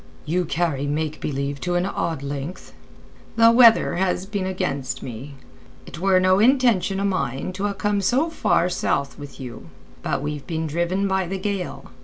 "You carry make believe to an odd length." "The weather has been against me. It were no intention o' mine to ha' come so far south with you. But we've been driven by the gale.